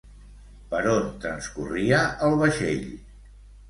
Per on transcorria el vaixell?